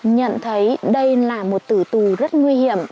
nhận thấy đây là một tử tù rất nguy hiểm